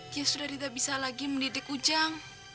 dia sudah tidak bisa lagi mendidik ujang